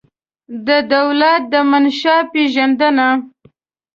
د دولت د منشا پېژندنه